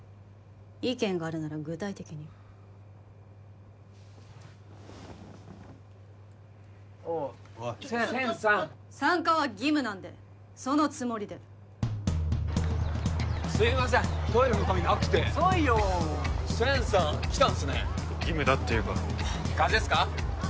意見があるなら具体的においセンセンさん参加は義務なんでそのつもりですいませんトイレの紙なくて遅いよセンさん来たんすね義務だって言うから風邪っすか？